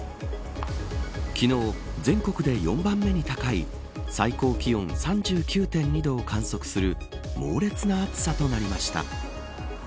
昨日、全国で４番目に高い最高気温３９．２度を観測する猛烈な暑さとなりました。